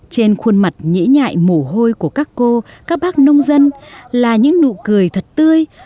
trên khuôn mặt nhĩ nhại mổ hôi của các cô các bác nông dân là những nụ cười thật tươi